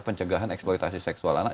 pencegahan eksploitasi seksual anak